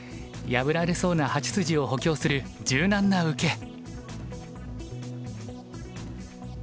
破られそうな８筋を補強する柔軟な受け。